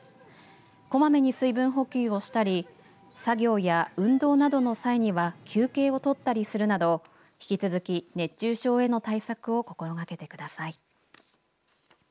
こまめに水分補給をしたり作業や運動などの際には休憩を取ったりするなど引き続き熱中症への対策を心がけてください。